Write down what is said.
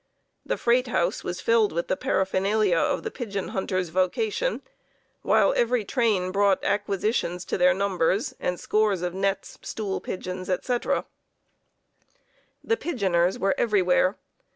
The freight house was filled with the paraphernalia of the pigeon hunter's vocation, while every train brought acquisitions to their numbers, and scores of nets, stool pigeons, etc. The pigeoners were everywhere.